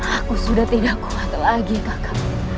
aku sudah tidak kuat lagi kaka